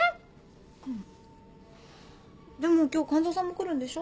でも今日完三さんも来るんでしょ？